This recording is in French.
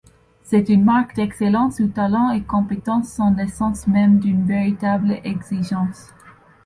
C’est une marque d’excellence où talent et compétence sont l’essence même d’une véritable exigence.